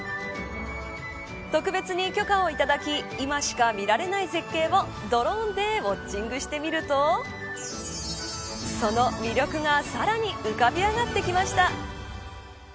特別に許可を頂き今しか見られない絶景をドローンでウオッチングしてみるとその魅力がさらに浮かび上がってきました。